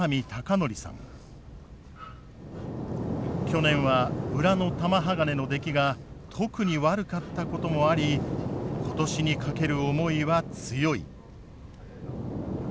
去年は裏の玉鋼の出来が特に悪かったこともあり今年にかける思いは強い。